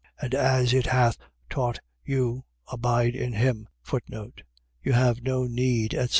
And as it hath taught you, abide in him. You have no need, etc.